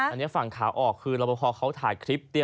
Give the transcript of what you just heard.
อันนี้ฝั่งขาออกคือรับประพอเขาถ่ายคลิป